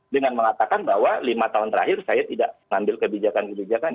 dengan mengatakan bahwa lima tahun terakhir saya tidak mengambil kebijakan kebijakan